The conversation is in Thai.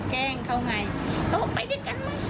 แกล้งเขาไงเขาไปด้วยกันมั้ย